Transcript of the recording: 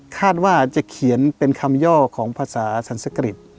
คาดว่าจะเขียนเป็นคำย่อของภาษาสรรสกริจ